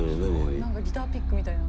何かギターピックみたいな。